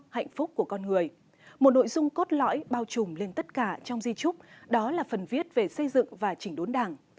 hạnh phúc của con người một nội dung cốt lõi bao trùm lên tất cả trong di trúc đó là phần viết về xây dựng và chỉnh đốn đảng